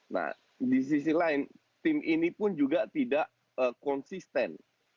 nah di sisi lain tim ini pun juga tidak konsisten